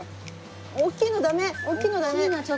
大きいのダメ大きいのダメ！